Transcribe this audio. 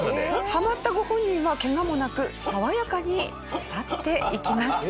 はまったご本人はケガもなく爽やかに去っていきました。